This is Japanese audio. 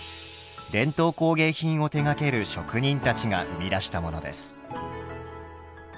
伝統工芸品を手がける職人たちが生み出したものです。